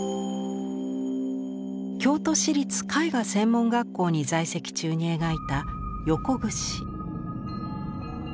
京都市立絵画専門学校に在籍中に描いた「横櫛」。